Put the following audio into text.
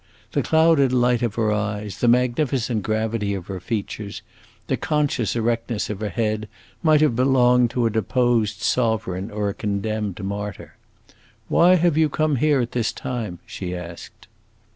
The clouded light of her eyes, the magnificent gravity of her features, the conscious erectness of her head, might have belonged to a deposed sovereign or a condemned martyr. "Why have you come here at this time?" she asked.